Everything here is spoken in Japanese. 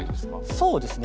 そうですね